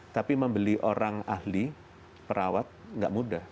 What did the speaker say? tapi membeli orang ahli perawat tidak mudah